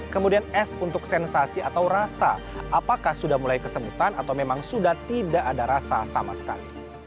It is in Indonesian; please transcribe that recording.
kemudian es untuk sensasi atau rasa apakah sudah mulai kesemutan atau memang sudah tidak ada rasa sama sekali